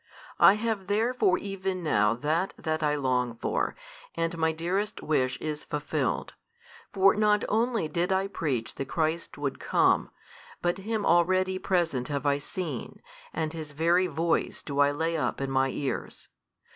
I have therefore even now that that I long for, and my dearest wish is fulfilled. For not only did I preach that Christ would come, but Him already present have I seen, and His very Voice do I lay up in my ears.